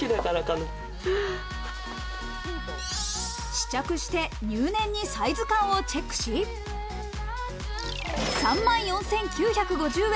試着して入念にサイズ感をチェックし、３万４９５０円。